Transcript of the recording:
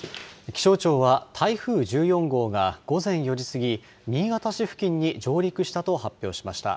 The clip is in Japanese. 気象庁は台風１４号が午前４時すぎ、新潟市付近に上陸したと発表しました。